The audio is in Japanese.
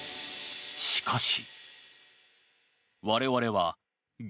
しかし。